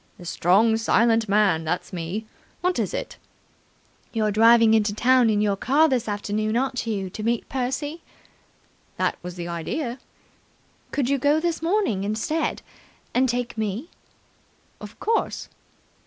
"The strong, silent man. That's me. What is it?" "You're driving into town in your car this afternoon, aren't you, to meet Percy?" "That was the idea." "Could you go this morning instead and take me?" "Of course."